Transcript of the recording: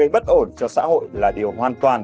bất ổn cho xã hội là điều hoàn toàn